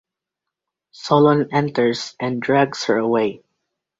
Solon enters and drags her away.